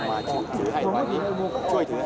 มันก็ถือของให้มือส่วน